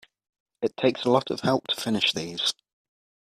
It takes a lot of help to finish these.